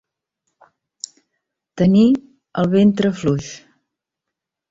Tenir el ventre fluix.